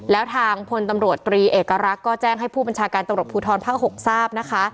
แล้วทางพลตำรวจตรีเอกรักษ์ก็แจ้งให้ผู้บัญชาการตำรวจภูทรภาค๖ทราบนะคะ